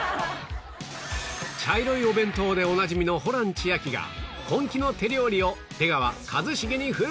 茶色いお弁当でおなじみのホラン千秋が本気の手料理を出川一茂に振る舞う